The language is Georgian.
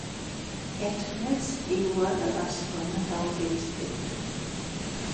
ერთმანეთს „სტიაუა“ და „ბარსელონა“ დაუპირისპირდნენ.